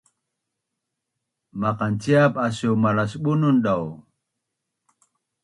Maqanciap asu malas Bunun dau!